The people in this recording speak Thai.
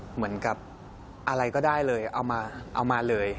เหมือนกับอะไรก็ได้เลยเอามาเลย